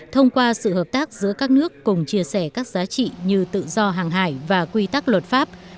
thông qua sự hợp tác giữa các nước cùng chia sẻ các giá trị như tự do hàng hải và quy tắc luật pháp